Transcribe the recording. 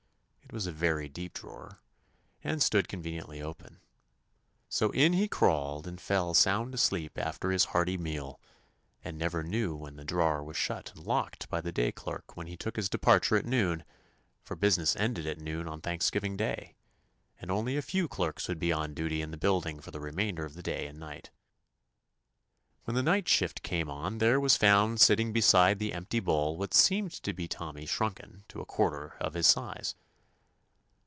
It was a very deep drawer, and stood conveniently open. So in he crawled and fell sound asleep after his hearty meal, and never knew when the 125 THE ADVENTURES OF drawer was shut and locked by the day clerk when he took his departure at noon, for business ended at noon on Thanksgiving Day, and only a few clerks would be on duty in the build ing for the remainder of the day and night. When the night shift came on there was found sitting beside the empty bowl what seemed to be Tommy shrunken to a quarter of his size.